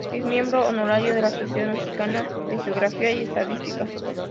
Es miembro honorario de la Sociedad Mexicana de Geografía y Estadística.